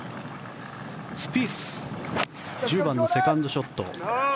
スピース１０番のセカンドショット。